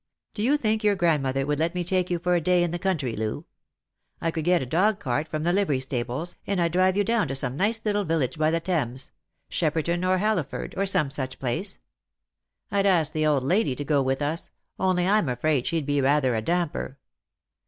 Do you think your grandmother would let me take you for a day in the country, Loo ? I could get a dog cart from the livery stables, and I'd drive you down to some nice little village by the Thames — Shepperton or Halliford, or some such place. I'd ask the old lady to go with us ; only I'm afraid she'd be rather a damper."